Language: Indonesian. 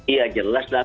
iya jelas lah